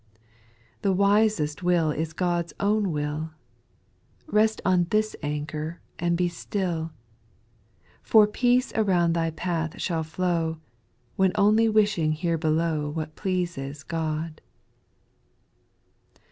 2. The wisest will is God's own will ;^ Rest on this anchor and be still ; For peace around thy path shall, flow, When only wishing here below What pleases God.